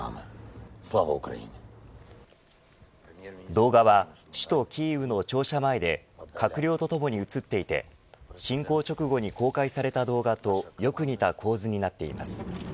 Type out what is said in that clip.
動画は首都キーウの庁舎前で閣僚とともに映っていて侵攻直後に公開された動画とよく似た構図になっています。